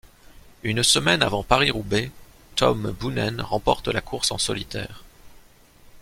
Une semaine avant Paris-Roubaix, Tom Boonen remporte la course en solitaire.